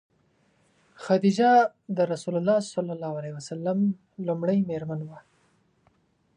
خدیجه د رسول الله ﷺ لومړنۍ مېرمن وه.